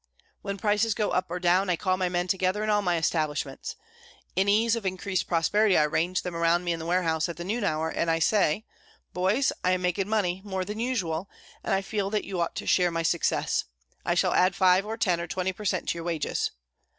"When prices go up or down, I call my men together in all my establishments. In ease of increased prosperity I range them around me in the warehouses at the noon hour, and I say, 'Boys, I am making money, more than usual, and I feel that you ought to share my success; I shall add five, or ten, or twenty per cent. to your wages.'